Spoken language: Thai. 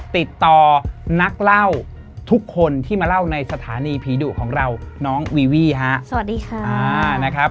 ติดต่อนักเล่าทุกคนที่มาเล่าในสถานีผีดุของเราน้องวีวี่ฮะสวัสดีค่ะอ่านะครับ